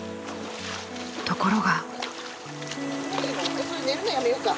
ところが。